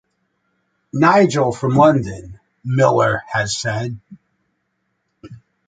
Nigel from London, Miller has said.